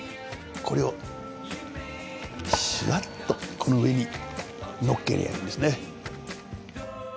これをシワッとこの上にのっければいいんですね。